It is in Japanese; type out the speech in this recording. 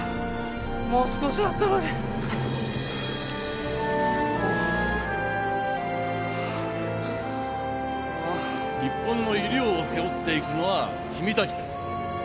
もう少しだったのに日本の医療を背負っていくのは君たちです